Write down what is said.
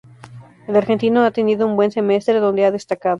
El argentino ha tenido un buen semestre, donde ha destacado.